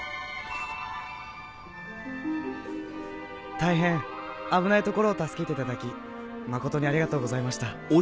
大変危ないところを助けていただき誠にありがとうございました。